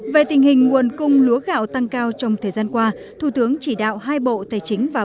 về tình hình nguồn cung lúa gạo tăng cao trong thời gian qua thủ tướng chỉ đạo hai bộ tài chính và